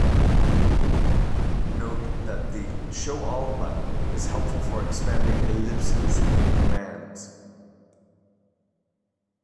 Note that the "Show all" button is helpful for expanding ellipses in commands.